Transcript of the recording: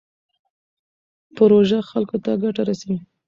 پروژه خلکو ته ګټه رسوي.